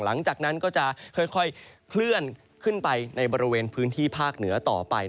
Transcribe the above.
หลังจากนั้นก็จะค่อยเคลื่อนขึ้นไปในบริเวณพื้นที่ภาคเหนือต่อไป